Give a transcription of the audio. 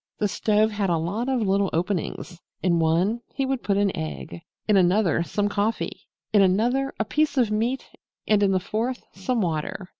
The stove had a lot of little openings. In one he would put an egg, in another some coffee, in another a piece of meat and in the fourth some water.